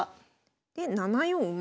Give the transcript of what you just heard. で７四馬。